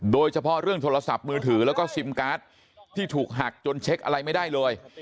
โดยเฉพาะเรื่องโทรศัพท์มือถือแล้วก็ซิมการ์ดที่ถูกหักจนเช็คอะไรไม่ได้เลย